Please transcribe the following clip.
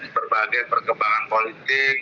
berbagai perkembangan politik